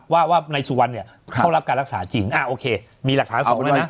ว่าว่านายสุวรรณเนี่ยเขารับการรักษาจริงโอเคมีหลักฐานส่งมาด้วยนะ